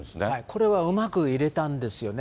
これはうまく入れたんですよね。